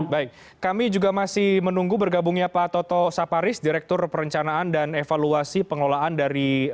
baik kami juga masih menunggu bergabungnya pak toto saparis direktur perencanaan dan evaluasi pengelolaan dari